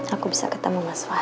aku bisa ketemu mas fah